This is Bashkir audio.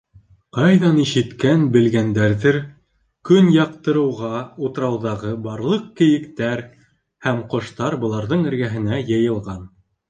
Ҡайҙан ишеткән-белгәндәрҙер, көн яҡтырыуға утрауҙағы барлыҡ кейектәр һәм ҡоштар быларҙың эргәһенә йыйылған.